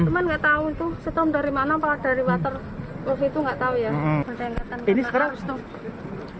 teman gak tau itu setom dari mana dari water itu gak tau ya